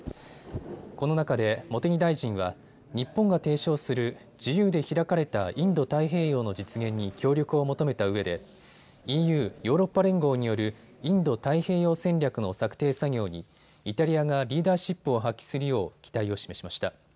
この中で茂木大臣は日本が提唱する自由で開かれたインド太平洋の実現に協力を求めたうえでＥＵ・ヨーロッパ連合によるインド太平洋戦略の策定作業にイタリアがリーダーシップを発揮するよう期待を示しました。